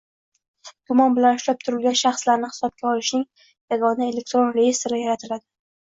Gumon bilan ushlab turilgan shaxslarni hisobga olishning yagona elektron reyestri yaratiladi.